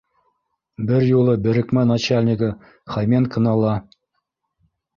— Бер юлы берекмә начальнигы Хоменконы ла